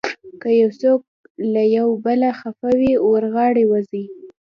که څوک یو له بله خفه وي، ور غاړې وځئ.